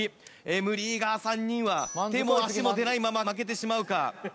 Ｍリーガー３人は手も足も出ないまま負けてしまうか。